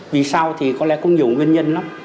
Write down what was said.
vì sao thì có lẽ cũng nhiều nguyên nhân lắm